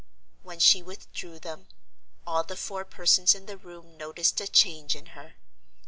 When she withdrew them, all the four persons in the room noticed a change in her.